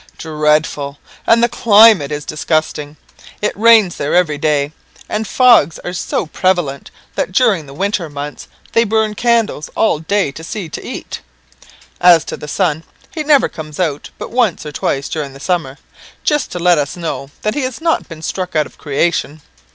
"Dreadful; and the climate is disgusting. It rains there every day, and fogs are so prevalent that during the winter months, they burn candles all day to see to eat. As to the sun, he never comes out but once or twice during the summer, just to let us know that he has not been struck out of creation.